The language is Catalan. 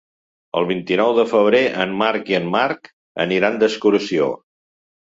El vint-i-nou de febrer en Marc i en Marc aniran d'excursió.